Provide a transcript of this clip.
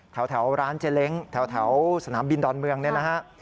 แถวร้านเจริ้งแถวสนามบินดอนเมืองนะครับ